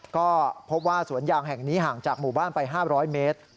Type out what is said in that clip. ก็พบว่าสวนยางแห่งนี้ห่างจากหมู่บ้านไป๕๐๐เมตร